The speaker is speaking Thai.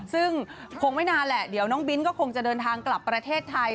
ซึ่งคงไม่นานแหละเดี๋ยวน้องบินก็คงจะเดินทางกลับประเทศไทย